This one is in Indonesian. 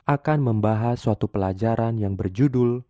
akan membahas suatu pelajaran yang berjudul